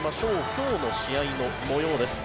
今日の試合の模様です。